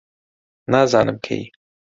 نازانم کەی